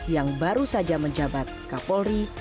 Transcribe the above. yang baru saja menjabat kapolri